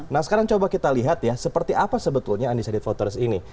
nah sekarang coba kita lihat ya seperti apa sebetulnya undecided voters ini